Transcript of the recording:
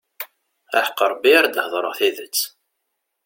Aḥeqq Rebbi ar d-heddṛeɣ tidet.